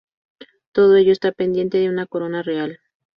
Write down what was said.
Todo ello está pendiente de una corona Real.